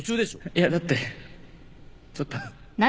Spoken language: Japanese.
いやだってちょっと。